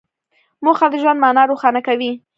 موخه د ژوند مانا روښانه کوي.